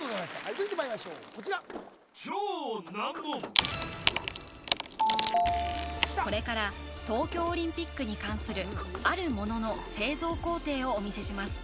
続いてまいりましょうこちらこれから東京オリンピックに関するあるものの製造工程をお見せします